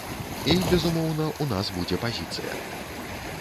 І, безумоўна, у нас будзе пазіцыя.